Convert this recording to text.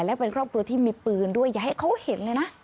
และเป็นครอบครัวที่มีปืนด้วยอย่าให้เขาเห็นเลยนะ